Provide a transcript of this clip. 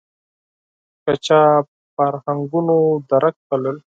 که چا فرهنګونو درک بلل